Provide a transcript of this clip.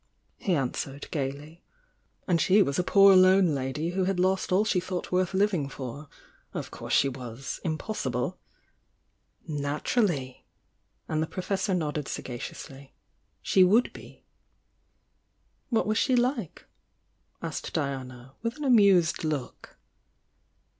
he answered, gaily. And she was a poor lone lady who had lost all she thought worth living for. Of course she was— impossible! "Naturally!" and the Professor nodded sagacious ly— "She would be!" ,. 'What was she like?" asked Diana, with an amused look.